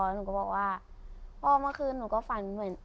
หนูก็บอกว่าพอเมื่อคืนหนูก็ฝันเหมือน